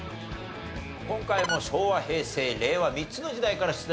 今回も昭和平成令和３つの時代から出題致します。